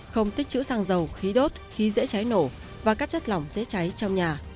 không tích chữ xăng dầu khí đốt khí dễ cháy nổ và các chất lỏng dễ cháy trong nhà